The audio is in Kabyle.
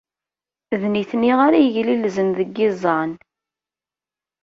D nitni ara yeglilzen deg yiẓẓan.